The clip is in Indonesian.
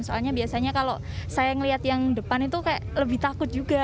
soalnya biasanya kalau saya melihat yang depan itu kayak lebih takut juga